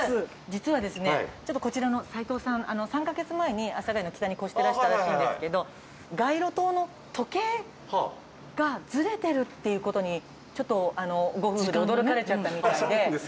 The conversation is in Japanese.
実はですねこちらの齊藤さん３カ月前に阿佐ヶ谷の北に越してらしたらしいんですけど街路灯の時計がズレてるっていう事にちょっとご夫婦で驚かれちゃったみたいで。